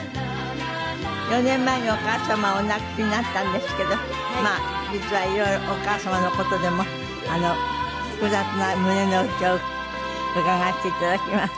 ４年前にお母様をお亡くしになったんですけどまあ実は色々お母様の事でも複雑な胸の内を伺わせて頂きます。